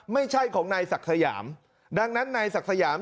ไม่ใช่ของนายศักดิ์สยามดังนั้นนายศักดิ์สยาม